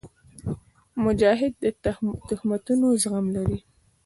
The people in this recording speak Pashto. مجاهد د تهمتونو زغم لري.